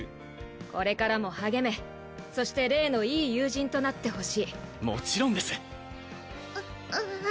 これからも励めそしてレイのいい友人となってほしいもちろんですあ